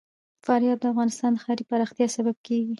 فاریاب د افغانستان د ښاري پراختیا سبب کېږي.